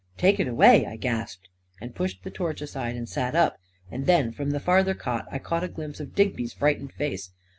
" Take it away !" I gasped, and pushed the torch aside and sat up; and then from the farther cot I got a glimpse of Digby's frightened face.